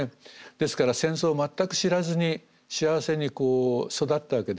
ですから戦争を全く知らずに幸せに育ったわけです。